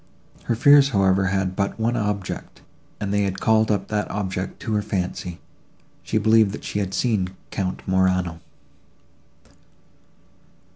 Her fears, however, had but one object, and they had called up that object to her fancy:—she believed that she had seen Count Morano.